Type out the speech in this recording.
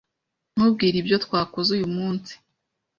Ntubwire ibyo twakoze uyu munsi